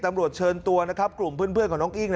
ตำรวจเชิญตัวนะครับกลุ่มเพื่อนเพื่อนของน้องอิ้ง